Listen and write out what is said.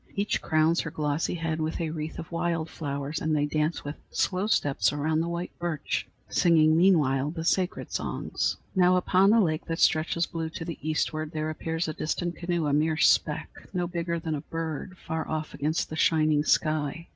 Each crowns her glossy head with a wreath of wild flowers, and they dance with slow steps around the white birch, singing meanwhile the sacred songs. Now upon the lake that stretches blue to the eastward there appears a distant canoe, a mere speck, no bigger than a bird far off against the shining sky.